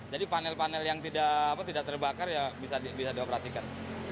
jadi panel panel yang tidak terbakar bisa dioperasikan